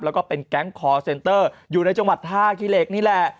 แล้วก็เป็นแก๊งคอร์เซ็นเตอร์อยู่ในจังหวัดท่าขี้เหล็กนี่แหละ